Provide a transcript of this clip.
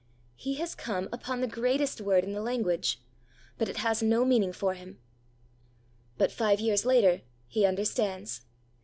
He has come upon the greatest word in the language; but it has no meaning for him! But five years later he understands!